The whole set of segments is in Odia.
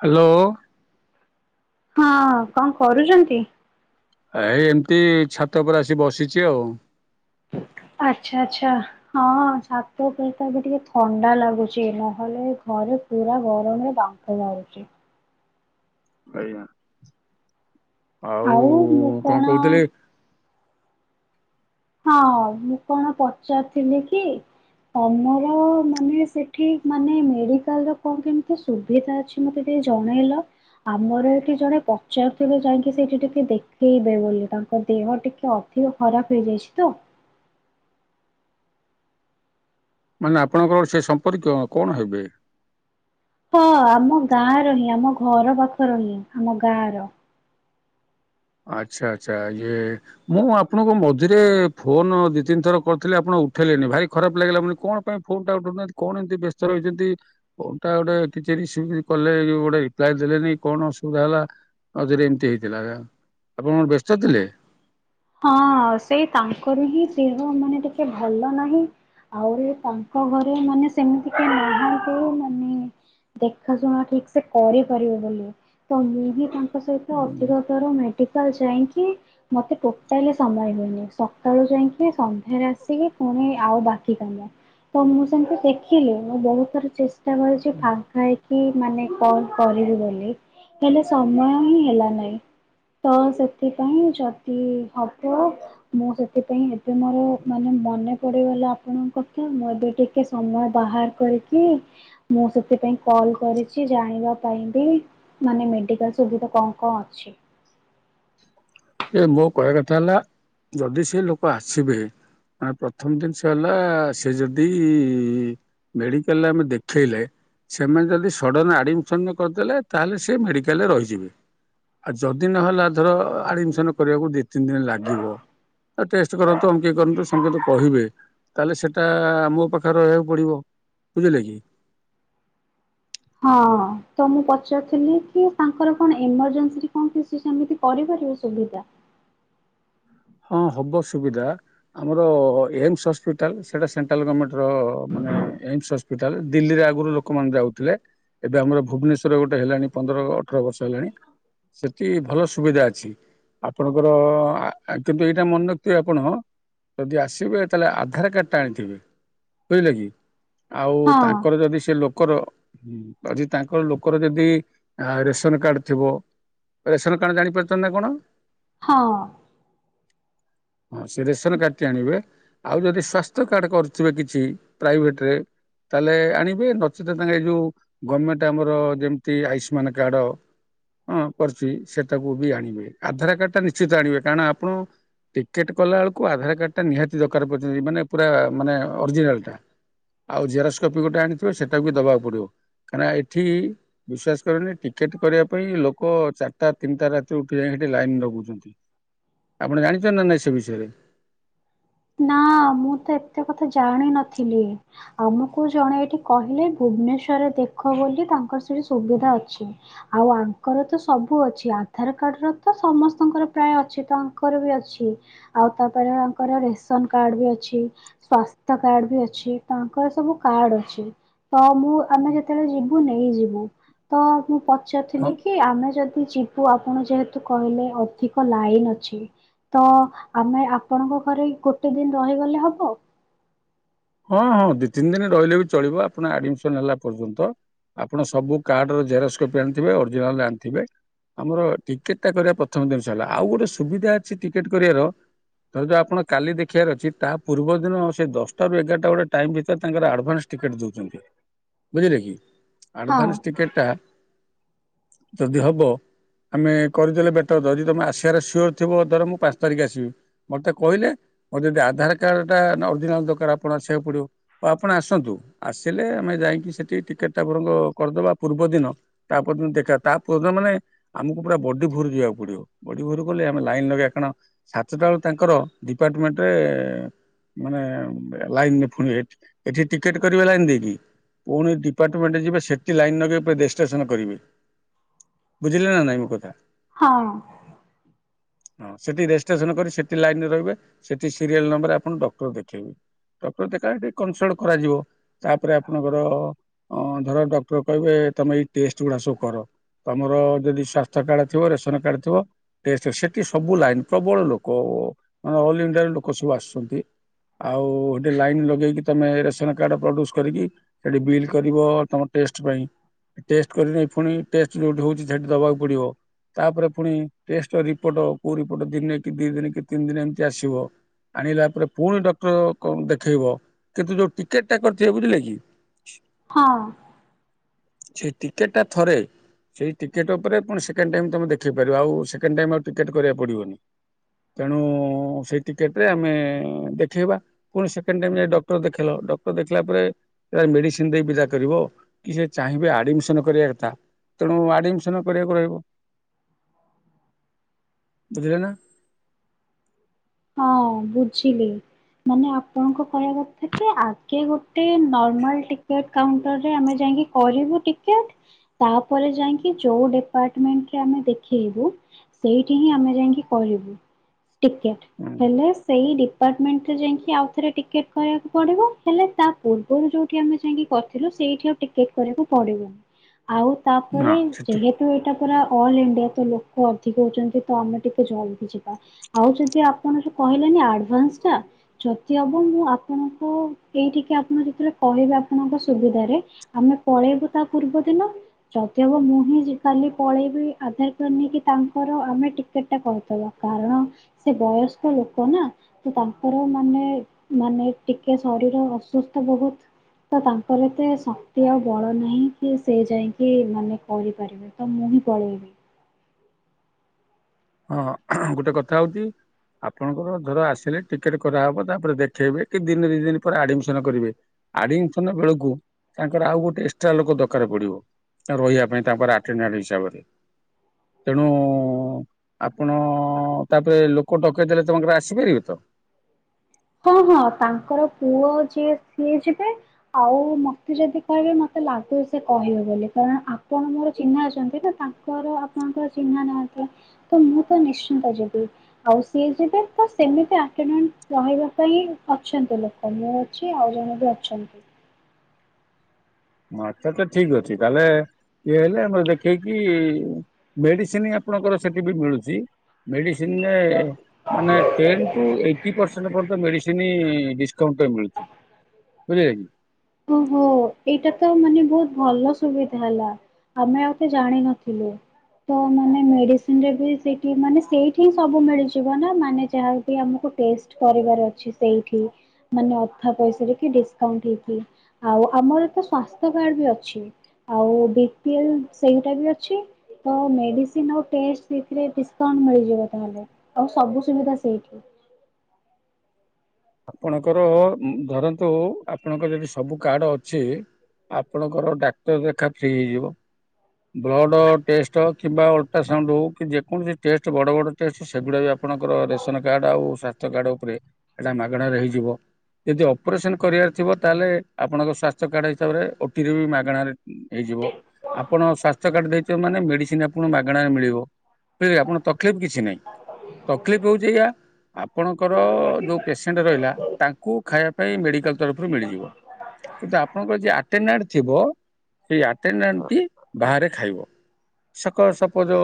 ହାଲୋ ଓ ହଁ ଅଁ କଣ କରୁଚନ୍ତି? ଆ ଏ ଏମିତି ଛାତ ଉପରେ ଆସି ବସିଛି ଆଉ ଆଚ୍ଛା ଆଛା ହଁ ଛାତ ଉପରେ ତ ଆଜି ଟିକେ ଥଣ୍ଡା ଲାଗୁଛି ନହେଲେ ଘରେ ପୁରା ଗରମରେ ବାମ୍ପ ଫ ବାହାରୁଛି ଆଜ୍ଞା। ଆଉ ମୁଁ କଣ? ହଁ ମୁଁ କଣ ପଚାରୁଥିଲି କି? ତମର ମାନେ ସେଠି ମାନେ ମେଡିକାଲ ର କଣ କେମିତି ସୁବିଧା ଅଛି? ମତେ ଟିକେ ଜଣେଇଲ? ଆମର ଏଠି ଜଣେ ପଚାରୁଥିଲେ ଯାଇଁକି ସେଠି ଟିକେ ଦେଖେଇବେ ବୋଲି ତାଙ୍କ ଦେହ ଟିକେ ଅ ଧିକ ଖରାପ ହେଇଯାଇଛି ତ। ମାନେ ଆପଣଙ୍କର ସେ ସମ୍ପର୍କୀୟ କଣ ହେବେ? ହଁ ଆମ ଗାଁ ର ହିଁ ଆମ ଘର ପାଖର ହିଁ ଆମ ଗାଁ ର ଆଚ୍ଛା ଆଚ୍ଛା ୟିଏ ମୁଁ ଆପଣଙ୍କୁ ମଝିରେ ଫୋନ ଦି ତିନି ଥର କରିଥିଲି ଆପଣ ଉଠେଇଲେନି ଭାରି ଖରାପ୍ ଲାଗିଲା ମୁଁ କହିଲି କଣ? ପାଇଁ ଫୋନ୍ ଟା ଉଠଉନାହାନ୍ତି କଣ ଏମତି ବ୍ୟସ୍ତ ରହିଛନ୍ତି ଫୋନ୍ ଟା ଗୋଟେ କିଛି ରିସିଭ ଵି କଲେ ଗୋଟେ ରିପ୍ଲାଏ ଦେଲେନି କଣ ଅସୁବିଧା ହେଲା? ଆଉ ଯଦି ଏମିତି ହେଇଥିଲା ଗା ଆପଣ କଣ ବ୍ୟସ୍ତ ଥିଲେ? ହଁ ସେଇ ତାଙ୍କର ହିଁ ଦେହ ମାନେ ଟିକେ ଭଲ ନାହିଁ ଆହୁରି ତାଙ୍କ ଘରେ ମାନେ ସେମିତି କେହି ନାହାନ୍ତି ମାନେ ଦେଖା ଶୁଣା ଠିକ୍ ସେ କରିପାରିବେ ବୋଲି ତ ମୁଁ ହିଁ ତାଙ୍କ ତାଙ୍କ ସହିତ ଅଧିକ ଥର ମେଡିକାଲ ଯାଇଁକି ମତେ ଟୋଟାଲି ସମୟ ହୁଏନି ସ କାଳୁ ଯାଇକି ସନ୍ଧ୍ୟାରେ ଆସିକି ପୁଣି ଆଉ ବା କି କାମ ତ ମୁଁ ସେମିତି ଦେଖିଲି ମୁଁ ବହୁତ ଥର ଚେଷ୍ଟା କରିଛି ଫାଙ୍କା ହେଇିକି କି ମାନେ କଲ୍ କରିବି ବୋଲି ହେଲେ ସମୟ ହିଁ ହେଲା ନାହିଁ। ତ ସେଥିପାଇଁ ଯଦି ହବ ମୁଁ ସେଥିପାଇଁ ଏବେ ମୋର ମାନେ ମନେ ପଡ଼ିଗଲା ଆପଣଙ୍କ କଥା ମୁଁ ଏବେ ଟି କେ ସମୟ ବାହାର କରିକି ମୁଁ ସେଥିପାଇଁ କଲ କରିଛି ଜାଣିବା ପାଇଁ ବି ମାନେ ମେଡିକାଲ ସୁବିଧା କଣ କଣ ଅଛି? ଏ ମୋ କହିବା କଥା ହେଲା ଯଦି ସେ ଲୋକ ଆସିବେ ଆଁ ପ୍ରଥମ ଜିନିଷ ହେଲା ସେ ଯଦି ଇ ମେଡିକାଲରେ ଆମେ ଦେଖେଇଲେ ସେମାନେ ଯଦି ସଡ଼ନ ଆଡ଼ମିସନ୍ କରିଦେଲେ ତାହେଲେ ସେ ମେଡ଼ିକାଲରେ ରହିଯିବେ ଆଉ ଯଦି ନହେଲା ଧର ଆଡ଼ମିସନ୍ କରିବାକୁ ଦି ତିନି ଦିନ୍ ଲାଗିବ ଆ ଟେଷ୍ଟ କରନ୍ତୁ ଅମୂକେଇ କରନ୍ତୁ ସେମିତି ତ କହିବେ ତାହେଲେ ସେଟା ମୋ ପାଖରେ ରହିବାକୁ ପଡ଼ିବ ବୁଝିଲେ କି ହଁ ତ ମୁଁ ପଚାରୁଥିଲି କି ତାଙ୍କର କଣ ଏମରଜେନ୍ସିରେ କଣ କିଛି ସେମିତି କରିପାରିବେ ସୁବିଧା ହଁ ହବ ସୁବିଧା। ଆମର ଏମ୍ସ ହସ୍ପିଟାଲ୍ ସେଇଟା ସେଣ୍ଟ୍ରାଲ ଗଭର୍ଣ୍ଣମେଣ୍ଟର ମାନେ ଏମ୍ସ ହସ୍ ପିଟାଲ ଦିଲ୍ଲୀରେ ଆଗରୁ ଲୋକମାନେ ଯାଉଥିଲେ। ଏବେ ଆମର ଭୁବନେଶ୍ୱର ଗୋଟେ ହେଲାଣି ପନ୍ଦର ଅଠର ବର୍ଷ ହେଲାଣି ସେଠି ଭଲ ସୁବିଧା ଅଛି। ଆପଣଙ୍କର ଆ କିନ୍ତୁ ଏଇଟା ମନେ ରଖିଥିବେ ଆପଣ ଯଦି ଆସିବେ ତାହେଲେ ଆଧାର କାର୍ଡ ଟା ଆଣିଥିବେ। ବୁଝିଲେ କି। ଆଉ ହଁ ତାଙ୍କର ଯଦି ସେ ଲୋକର ହୁଁ ଆଜି ତାଙ୍କର ଲୋକର ଯଦି ରେସନ କାର୍ଡ ଥିବ ରେସନ କାର୍ଡ଼ ଜାଣିପାରୁଛନ୍ତି ନା କଣ? ହଁ। ହଁ ସେ ରେସନ କାର୍ଡଟି ଆଣିବେ। ଆଉ ଯଦି ସ୍ଵାସ୍ଥ୍ୟ କାର୍ଡ଼ କରୁଥିବେ କିଛି ପ୍ରାଇଭେଟ୍ ରେ ତାହେଲେ ଆଣିବେ। ନଚେତ୍ ତାଙ୍କେ ଏଇ ଯୋଉ ଗଭର୍ଣମେଣ୍ଟ ଆମର ଯେମିତି ଆୟୁଷ୍ମାନ କାର୍ଡ ହଁ କରୁଛି ସେଟାକୁ ବି ଆଣିବେ। ଆଧାର କାର୍ଡ ଟା ନିଶ୍ଚିତ ଆଣିବେ କାରଣ ଆପଣ ଟିକେଟ୍ କଲା ବେଳକୁ ଆଧାର କାର୍ଡ ଟା ନିହାତି ଦରକାର ପଡିଛନ୍ତି ମାନେ ପୁରା ମାନେ ଅରିଜିନାଲ୍ ଟା। ଆଉ ଜେରୋସ୍କୋପି ଗୋଟେ ଆଣିଥିବେ ସେଇଟାକୁ ବି ଦେବାକୁ ପଡ଼ିବ। କାଁହିଁକିନା ଏଠି ବିଶ୍ଵାସ କରନି ଟିକେଟ କରିବା ପାଇଁ ଲୋକ ଚାରିଟା ତିନିଟା ରାତିରେ ଉଠି ଯାଇ ସେଠି ଲାଇନ ଲଗାଉଛନ୍ତି। ଆପଣ ଜାଣିଛନ୍ତି ନା ନାଇଁ ସେ ବିଷୟରେ। ନା ମୁଁ ତ ଏତେ କଥା ଜାଣିିନଥିଲି। ଆମୁକୁ ଜଣେ ଏଇଠି କହିଲେ ଭୁବନେଶ୍ଵରରେ ଦେଖ ବୋଲି ତାଙ୍କର ସେଠି ସୁବିଧା ଅଛି। ଆଉ ଆଙ୍କର ତ ସବୁ ଅଛି ଆଧାର କାର୍ଡର ତ ସମସ୍ତଙ୍କର ପ୍ରାୟ ଅଛି ତ ଆଙ୍କର ବି ଅଛି। ଆଉ ତାପରେ ଆଙ୍କର ରା ରାସନ କାର୍ଡ ବି ଅଛି। ସ୍ଵାସ୍ଥ୍ୟ କାର୍ଡ ବି ଅଛି। ତାଙ୍କର ସବୁ କାର୍ଡ ଅଛି। ତ ମୁଁ ଆମେ ଯେତେବେଳେ ଯିବୁ ନେଇ ଯିବୁ। ତ ମୁଁ ହଁ ଥିଲ କି ଆମେ ଯଦି ଯିବୁ ଆପଣ ଯେହେତୁ କହିଲେ ଅଧିକ ଲାଇନ ଅଛି। ତ ଆମେ ଆପଣଙ୍କ ଘରେ ଗୋଟେ ଦିନ ରହିଗଲେ ହବ। ହଁ ହଁ ଦି ତିନି ଦିନ ରହିଲେ ବି ଚଳିବ ଆପଣ ଆଡମିସନ ହେଲା ପର୍ଯ୍ୟନ୍ତ। ଆପଣ ସବୁ କାର୍ଡ ର ଜେରକ୍ସ କପି ଆଣିଥିବେ ଅରିଜିନାଲ ଆଣିଥିବେ। ଆମର ଟିକେଟ ଟା କରିବା ପ୍ରଥମ ଜିନିଷ ହେଲା ଆଉ ଗୋଟେ ସୁବିଧା ଅଛି ଟିକେଟ କରିବାର। ଧର ଯୋଉ ଆପଣ କାଲି ଦେଖିବାର ଅଛି ତା ପୂର୍ବ ଦିନ ସେ ଦଶ ଏଗାରଟା ବେଳେ ଟାଇମ୍ ଭିତରେ ତାଙ୍କର ଆଡଭାନ୍ସ ଟିକେଟ୍ ଦଉଛନ୍ତି ବୁଝିଲେ କି। ହଁ ଆଡଭାନ୍ସ ଟିକେଟ ଟା ଯଦି ହବ ଆମେ କରିଦେଲେ ବେଟର ଧର ଯଦି ତୁମେ ଆସିବାର ସିଓର ଥିବ ଧର ମୁଁ ପାଞ୍ଚ ତାରିଖ ଆସିବି। ମତେ କହିଲେ ମୋର ଯଦି ଆଧାର କାର୍ଡ ଟା ଅରିଜିନାଲ ଦରକାର ଆପଣ ସେ ପଡିବ। ଆପଣ ଆସନ୍ତୁ ଆସିଲେ ଆମେ ଯାଇକି ସେଠି ଟିକେଟ ଟାପର କରିଦବା ପୂର୍ବ ଦିନ। ତାପର୍ଯ୍ୟନ୍ତ ଦେଖା ତାପର୍ଯ୍ୟନ୍ତ ମାନେ ଆମକୁ ପୁରା ବଡି ଭୋରୁ ଯିବାକୁ ପଡିବ। ବଡି ଭୋରୁ କଲେ ଆମେ ଲାଇନ ଲଗେଇବା କଣ ସାତଟା ବେଳେ ତାଙ୍କର ଡିପାର୍ଟମେଣ୍ଟରେ ମାନେ ଲାଇନରେ ପୁଣି ଏଠି ଏଠି ଟିକେଟ କରିବେ ଲାଇନ ଦେଇକି। ପୁଣି ଡିପାର୍ଟମେଣ୍ଟ ଯିବେ ସେଠି ଲାଇନ ନଗେଇ ପୁଣି ରେଜିଷ୍ଟ୍ରେସନ କରିବେ। ବୁଝିଲେ ନା ନାଇଁ ମୋ କଥା। ହଁ। [inaudible] ହଁ ସେଠି ରେଜିଷ୍ଟ୍ରେସନ କରି ସେଠି ଲାଇନ ରେ ରହିବେ। ସେଠି ସିରିଏଲ୍ ନମ୍ବରରେ ଆପଣ ଡକ୍ଟର ଦେଖେଇବେ। ଡକ୍ଟର ଦେଖା ସେଠି କନସଲ୍ଟ କରାଯିବ। ତାପରେ ଆପଣଙ୍କର ଅ ଧର ଡକ୍ଟର କହିବେ ତମେ ଏଇ ଟେଷ୍ଟ ଗୁଡା ସବୁ କର। ତମର ଯଦି ସ୍ଵାସ୍ଥ୍ୟ କାର୍ଡ ଥିବ ରେସନ କାର୍ଡ ଥିବ। ସେଠି ସବୁ ଲାଇନ ପ୍ରବଳ ଲୋକ ମାନେ ଅଲ୍ ଇଣ୍ଡିଆର ଲୋକ ସବୁ ଆସୁଛନ୍ତି। ଆଉ ଗୋଟେ ଲାଇନ ଲଗେଇକି ତମେ ରେସନ କାର୍ଡ ପ୍ରଡ୍ୟୁସ କରିକି ସେଠି ବିଲ୍ କରିବ ତମ ଟେଷ୍ଟ ପାଇଁ ଟେଷ୍ଟ କରି ପୁଣି ଟେଷ୍ଟ ଯୋଉଠି ହଉଛି ସେଠି ଦବାକୁ ପଡିବ। ତାପରେ ପୁଣି ଟେଷ୍ଟ ର ରିପୋଟ କୋଉ ରିପୋଟ ଦିନେ କି ଦି ଦିନି କି ତିନ୍ ଦିନି ଏମିତି ଆସିବ। ଆଣିଲା ପରେ ପୁଣି ଡକ୍ଟର କ- ଦେଖେଇବ କିନ୍ତୁ ଯୋଉ ଟିକେଟ ଟା କରିଥିବେ ବୁଝିଲେ କି ହଁ। ସେ ଟିକେଟ ଟା ଥରେ ସେଇ ଟିକେଟ୍ ଉପରେ ପୁଣି ସେକେଣ୍ଡ୍ ଟାଇମ ତମ ଦେଖେଇ ପାରିବ ଆଉ ସେକେଣ୍ଡ୍ ଟାଇମ ଆଉ ଟିକେଟ୍ କରିବାକୁ ପଡିବନି। ତେଣୁ ସେଇ ଟିକେଟ୍ ରେ ଆମେ ଦେଖେଇବା। ପୁଣି ସେକେଣ୍ଡ୍ ଟାଇମ୍ ଯାଇ ଡକ୍ଟର ଦେଖେଇଲ ଡକ୍ଟର ଦେଖିଲା ପରେ ମେଡିସିନ୍ ଦେଇ ବିଦା କରିବ କି ସେ ଚାହିଁବେ ଆଡିମିସନ କରିବା କଥା। ତେଣୁ ଆଡମିସନ କରିବାକୁ ରହିବ ବୁଝିଲେ ନା। ହଁ ବୁଝିଲି। ମାନେ ଆପଣଙ୍କ କହିଆ କଥା କି ଆଗେ ଗୋଟେ ନର୍ମାଲ ଟିକେଟ କାଉଣ୍ଟର ରେ ଆମେ ଯାଇକି କରିବୁ ଟିକେଟ ତାପରେ ଯାଇଁକି ଯୋଉ ଡିପାର୍ଟମେଣ୍ଟରେ ଆମେ ଦେଖେଇବୁ ସେଇଠି ହିଁ ଆମେ ଯାଇକି କହିବୁ ଟିକେଟ୍। ହେଲେ ସେଇ ଡିପାର୍ଟମେଣ୍ଟରେ ଯାଇଁକି ଆଉ ଥରେ ଟିକେଟ କରିବାକୁ ପଡିବ ହେଲେ ତା ପୂର୍ବରୁ ଯୋଉଠି ଆମେ ଯାଇଁକି କରିଥିଲୁ ସେଇଠି ଆଉ ଟିକେଟ୍ କରିବାକୁ ପଡିବନି ଆଉ ତାପରେ ହଁ ସେଠି ଯେହେତ୍ ତୁ ଏଇଟା ପୁରା ଅଲ୍ ଇଣ୍ଡିଆ ତ ଲୋକ ଅଧିକ ହୋଉଚନ୍ତି ତ ଆମେ ଟିକେ ଜଲ୍ଦି ଯିବା। ଆଉ ଯଦି ଆପଣ ଯୋଉ କହିଲେନି ଆଡଭାନ୍ସଟା ଯଦି ହବ ମୁଁ ଆପଣଙ୍କୁ ଏଇଠିକି ଆପଣ ଯେତେବେଳେ କହିବେ ଆପଣଙ୍କ ସୁବିଧାରେ ଆମେ ପଳେଇବୁ ତା ପୂର୍ବ ଦିନ ଯଦି ହବ ମୁଁ ହିଁ ଯିବ୍ କାଲି ପଳେଇବି ଆଧାର କାର୍ଡ ନେଇକି ତାଙ୍କର ଆମେ ଟି କେଟଟା କରିଦବା କାରଣ ସେ ବୟସ୍କ ଲୋକ ନା ତ ତାଙ୍କର ମାନେ ମାନେ ଟିକେ ଶରୀର ଅସୁସ୍ଥ ବୋହୁତ ତ ତାଙ୍କର ଏତେ ଶକ୍ତି ଆଉ ବଳ ନାହିଁ କି ସେ ଯାଇଁକି ମାନେ କରିପାରିବେ। ତ ମୁଁ ହିଁ ପଳେଇବି। ହଁ ଗୋଟେ କଥା ହୋଉଚି ଆପଣଙ୍କର ଧର ଆସିଲେ ଟିକେଟ କରାହେବ ତାପରେ ଦେଖେଇବେ କି ଦିନେ ଦିଇ ଦିନ୍ ପରେ ଆଡିମିସନ କରିବେ ଆଡିମିସନ୍ ବେଳକୁ ତାଙ୍କର ଆଉ ଗୋଟେ ଏକ୍ସଟ୍ରା ଲୋକ ଦରକାର ପଡିବ। ଏ ରହିବା ପାଇଁ ତାଙ୍କ ପାଖରେ ଅଟେନାଣ୍ଟ ହିସାବରେ ତେଣୁ ଆପଣ ତାପରେ ଲୋକ ଡକେଇଦେଲେ ତମେଙ୍କର ଆସିପାରିବେ ତ? ହଁ ହଁ ତାଙ୍କର ପୁଅ ଆଉ ଯିଏ ସିଏ ଯିବେ ଆଉ ମତେ ଯଦି କହିବେ ମତେ ଲାଗୁଚି ସେ କହିବେ ବୋଲି କାରଣ ଆପଣ ମୋର ଚିହ୍ନା ଅଛନ୍ତି ନା ତାଙ୍କ୍ ଙ୍କର ଆପଣଙ୍କର ଚିହ୍ନା ନାହାନ୍ତି ତ ମୁଁ ତ ନିଶ୍ଚିନ୍ତ ଯିବି ଆଉ ସିଏ ଯିବେ ତ ସେମିତି ଅଟେନାଣ୍ଟ ରହିବା ପାଇଁ ଅଛନ୍ତି ଲୋକ ମୁଁ ଅଛି ଆଉ ଜଣେ ବି ଅଛନ୍ତି। ମତେ ତ ଠିକ୍ ଅଛି ତାହେଲେ ଇଏ ହେଲେ ଆମର ଦେଖେଇକି ମେଡିସିନ ଆପଣଙ୍କର ସେଠି ବି ମିଳୁଚି ମେଡିସିନରେ ମାନେ ଟେନ୍ ଟୁ ଏଇଟି ପର୍ସେଣ୍ଡ ପରନ୍ତ ମେଡିସିନି ଡିସକାଉଣ୍ଟରେ ମିଳୁ ବୁଝିଲେକି। ଓହୋ ଏଇଟା ତ ମାନେ ବୋହୁତ ଭଲ ସୁବିଧା ହେଲା। ଆମେ ଆଉ ତ ଜାଣିନଥିଲୁ। ତ ମାନେ ମେଡିସିନରେ ବି ସେଇଠି ମାନେ ସେଇଠି ହିଁ ସବୁ ମିଳିଯିବ ନା ମାନେ ଯାହାବି ଆମକୁ ଟେଷ୍ଟ କରିବାର ଅଛି ସେଇଠି ମାନେ ଅଧା ପଇସାରେ କି ଡିସକାଉଣ୍ଟ ହେଇକି? ଆଉ ଆମର ତ ସ୍ଵସ୍ଥ୍ୟ କାର୍ଡ ବି ଅଛି ଆଉ ବି ପି ଏଲ୍ ସେଇଟା ବି ଅଛି। ତ ମେଡିସିନ୍ ଆଉ ଟେଷ୍ଟ୍ ସେଇଥିରେ ଡିସକାଉଣ୍ଟ ମିଳିଯିବ ତାହାଲେ। ଆଉ ସବୁ ସୁବିଧା ସେଇଠି। ଆପଣଙ୍କର ଉଁ ଧରନ୍ତୁ ଆପଣଙ୍କର ଯଦି ସବୁ କାର୍ଡ ଅଛି ଆପଣଙ୍କର ଡାକ୍ତର ଦେଖା ଫ୍ରି ହେଇଯିବ ବ୍ଲଡ଼୍ ଟେଷ୍ଟ କିମ୍ବା ଅଲଟ୍ରାସାଉଣ୍ଡ ହୋଉ କି ଯେକୌଣସି ଟେଷ୍ଟ ବଡ଼ ବଡ଼ ଟେଷ୍ଟ ସେଗୁଡ଼ା ବି ଆପ ଆପଣଙ୍କର ରେସନ କାର୍ଡ ଆଉ ସ୍ୱାସ୍ଥ୍ୟ କାର୍ଡ ଉପରେ ଏଟା ମାଗଣାରେ ହେଇଯିବ। ଯଦି ଅପରେସନ କରିବାର ଥିବ ତାହେଲେ ଆପଣଙ୍କ ସ୍ୱାସ୍ଥ୍ୟ କାର୍ଡ ହିସାବରେ ଓ ଟିରେ ବି ମାଗଣାରେ ହେଇଯିବ। ଆପଣ ସ୍ୱାସ୍ଥ୍ୟ କାର୍ଡ ଦେଇଥିବେ ମାନେ ମେଡ଼ିସିନ ଆପଣଙ୍କୁ ମାଗଣାରେ ମିଳିବ ବୁଝିଲେ ଆପଣ ତକଲିଫ୍ କିଛି ନାହିଁ। ତକଲିଫ୍ ହୋଉଚି ଏଇଆ ଆପଣଙ୍କର ଯୋଉ ପେସେଣ୍ଟ ରହିଲା ତାଙ୍କୁ ଖାଇବା ପାଇଁ ମେଡ଼ିକାଲ ତରଫରୁ ମିଳିଯିବ। କିନ୍ତୁ ଆପଣଙ୍କର ଯିଏ ଆଟାଡ଼ାଣ୍ଟ ଥିବ ସେଇ ଆଟାଡ଼ାଣ୍ଟଟି ବାହାରେ ଖାଇବ। ସକାଳ ସପୋଜ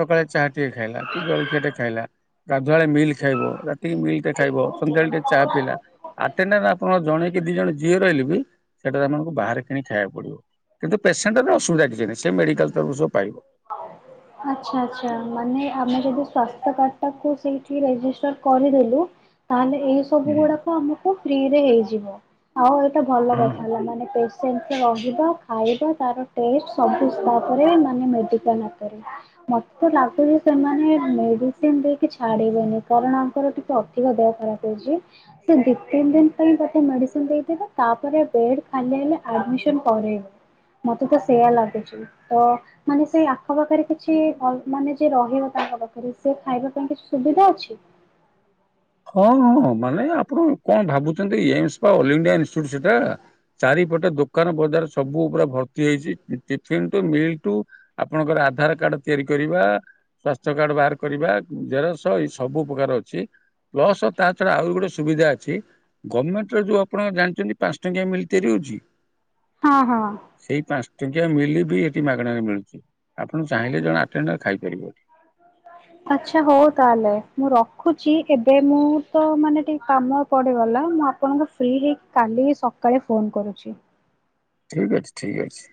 ସକାଳେ ଚାହା ଟିକେ ଖାଇଲା କି ଜଳଖିଆଟେ ଖାଇଲା ଗାଧୁଆଳେ ମିଲ୍ ଖାଇବ ରାତିି ମିଲଟେ ଖାଇବ ସନ୍ଧ୍ୟାବେଳେ ଟିକେ ଚାଆ ପିଇଲା ଆଟାଡ଼ାଣ୍ଟ ଆପଣଙ୍କ ଜଣେ କି ଦି ଜଣ ଯାହା ରହିଲେ ବି ସେଟାରେ ଆପଣଙ୍କୁ ବାହାରେ କିଣି ଖାଇବାକୁ ପଡ଼ିବ। କିନ୍ତୁ ପେସେଣ୍ଟର ଅସୁବିଧା କିଛି ନାହିଁ ସେ ମେଡ଼ିକାଲ ତରଫରୁ ସବୁ ପାଇବ। ଆଚ୍ଛା ଆଚ୍ଛା ମାନେ ଆମେ ଯଦି ସ୍ୱାସ୍ଥ୍ୟ କାର୍ଡଟାକୁ ସେଇଠି ରେଜିଷ୍ଟର କରିଦେଲୁ ତାହେଲେ ଏହି ସବୁ ହୁଁ, ଗୁଡ଼ାକ ଆମକୁ ଫ୍ରିରେ ହେଇଯିବ ଆଉ ଏଇଟା ଭଲ ହଁ ହଁ। କଥା ହେଲା ମାନେ ପେସ୍ ସେମତି ରହିବା, ଖାଇବା ତାର ଟେଷ୍ଟ ସବୁ ତାପରେ ମାନେ ମେଡ଼ିକାଲ ଅ କରେ। ମତେ ଲାଗୁଛି ସେମାନେ ମେଡ଼ିସିନ ଦେଇକି ଛାଡ଼ିବେନି କାରଣ ଆଙ୍କର ଟିକେ ଅ ଅଧିକ ଦେହ ଖରାପ ହେଇଛି। ସେ ଦି ତିନି ଦିନ ପାଇଁ ଗୋଟେ ମେଡ଼ିସିନ ଦେଇ ଦେବେ ତାପରେ ବେଡ୍ ଖାଲି ହେଲେ ଆଡ଼ମିଶନ କରେଇବେ। ମତେ ତ ସେଇୟା ଲାଗୁଛି ତ ମାନେ ସେଇ ଆଖ ଆଖ ପାଖରେ କିଛି ଭଲ ମାନେ ଯେ ରହିବ ତାଙ୍କ ପାଖରେ ସେ ଖାଇବା ପାଇଁ କିଛି ସୁବିଧା ଅଛି। ହଁ ହଁ ମାନେ ଆପଣ କଣ ଭାବୁଛନ୍ତି ଇଏ ଇନ୍ସ ପା ଅଲ ଇଣ୍ଡିଆ ଇନଷ୍ଟିଚ୍ୟୁଟ୍ ସେଟା। ଚାରିପଟେ ଦୋକାନ ବଜାର ସବୁ ପୁରା ଭର୍ତ୍ତି ହେଇଛି ଟିଫିନ ଟୁ ମିଲ୍ ଟୁ ଆପଣଙ୍କର ଆଧାର କାର୍ଡ ତିଆରି କରିବା। ସ୍ୱାସ୍ଥ୍ୟ କାର୍ଡ଼ ବାହାର କରିବା ଉ ଜେରସ ଏଇ ସବୁ ପ୍ରକାର ଅଛି। ପ୍ଲସ ତା ଛଡ଼ା ଆହୁରି ଗୋଟେ ସୁବିଧା ଅଛି ଗଭମେଣ୍ଟର ଯୋଉ ଆପଣ ଜାଣିଛନ୍ତି ପାଞ୍ଚ ଟଙ୍କିଆ ମିଲ୍ ତିଆରି ହେଉଛି। ହଁ ହଁ। ସେଇ ପାଞ୍ଚ ଟଙ୍କିଆ ମିଲ ବି ଏଠି ମାଗଣାରେ ମିଳୁଛି ଆପଣ ଚାହିଁଲେ ଜଣେ ଆଟେଣ୍ଡର ଖାଇପାରିବ। ଆଚ୍ଛା ହଉ ତାହେଲେ ମୁଁ ରଖୁଛି ଏବେ ମୁଁ ତ ମାନେ ଟିକେ କାମ ପଡ଼ିଗଲା ମୁଁ ଆପଣଙ୍କୁ ଫ୍ରି ହେଇକି କାଲି ସକାଳେ ଫୋନ୍ କରୁଛି। ଠିକ ଅଛି ଠିକ ଅଛି।